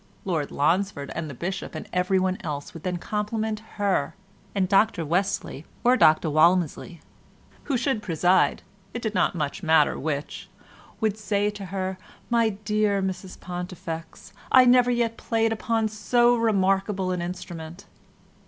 Lord Lonsford and the Bishop and everyone else would then compliment her, and Dr Wesley or Dr Walmisley, who should preside (it did not much matter which), would say to her, "My dear Mrs Pontifex, I never yet played upon so remarkable an instrument."